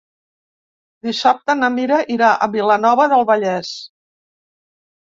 Dissabte na Mira irà a Vilanova del Vallès.